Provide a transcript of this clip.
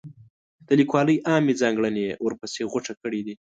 د لیکوالۍ عامې ځانګړنې یې ورپسې غوټه کړي دي.